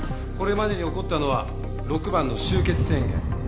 これまでに起こったのは６番の終結宣言。